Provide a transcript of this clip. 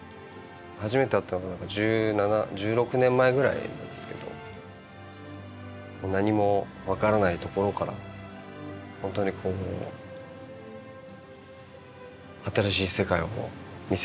初めて会ったのは１７１６年前ぐらいなんですけど何も分からないところから本当に新しい世界を見せていただいて。